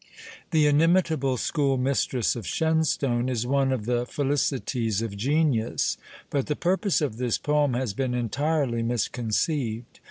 The inimitable "School Mistress" of Shenstone is one of the felicities of genius; but the purpose of this poem has been entirely misconceived.